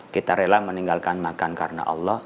kita rela meninggalkan makan karena allah